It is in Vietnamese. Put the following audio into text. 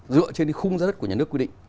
dựa trên cái khung giá đất của nhà nước quy định